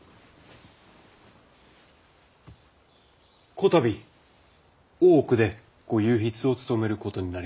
こたび大奥で御右筆を務めることになりました